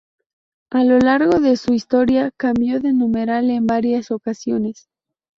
A lo largo de su historia cambió de numeral en varias ocasiones.